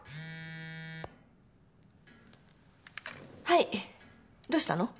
はいどうしたの？